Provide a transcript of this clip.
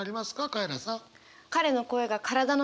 カエラさん。